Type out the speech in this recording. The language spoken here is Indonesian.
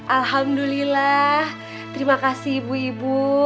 alhamdulillah terima kasih ibu ibu